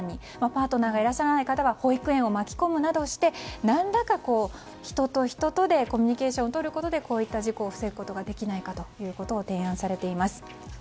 パートナーがいらっしゃらない方は保育園を巻き込むなどして何らかの人と人とでコミュニケーションをとることでこういった事故を防ぐことができないかと提案されています。